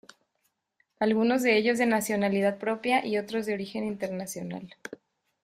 Algunos de ellos de nacionalidad propia y otros de origen internacional.